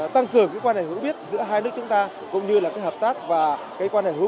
tăng cường cái quan hệ hữu biết giữa hai nước chúng ta cũng như là cái hợp tác và cái quan hệ hữu